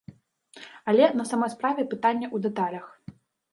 Але, на самой справе, пытанне ў дэталях.